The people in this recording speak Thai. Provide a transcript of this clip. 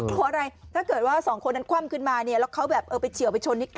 เพราะอะไรถ้าเกิดว่าสองคนนั้นคว่ำขึ้นมาเนี่ยแล้วเขาแบบเออไปเฉียวไปชนอีก